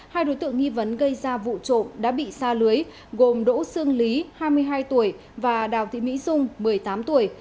hai đối tượng nghi vấn gây ra vụ trộm đã bị xa lưới gồm đỗ sương lý hai mươi hai tuổi và đào thị mỹ dung một mươi tám tuổi